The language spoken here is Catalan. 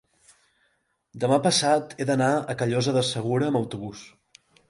Demà passat he d'anar a Callosa de Segura amb autobús.